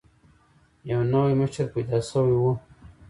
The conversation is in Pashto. یو نوی مشر پیدا شوی وو.